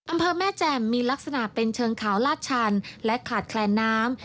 อำเภอแม่แจ่มมีลักษณะเป็นเชิงเขาลาดชันและขาดแคลนน้ำ